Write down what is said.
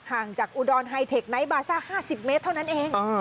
ห่างจากอุดรไฮเทคไนท์บาซ่า๕๐เมตรเท่านั้นเอง